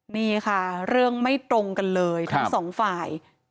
นี่ค่ะเรื่องไม่ตรงกันเลยทั้งสองฝ่าย